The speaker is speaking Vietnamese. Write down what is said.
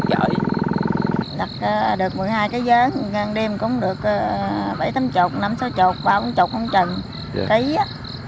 đặt được một mươi hai cái giớ ăn đêm cũng được bảy tám chục năm sáu chục ba bốn chục không chừng ký á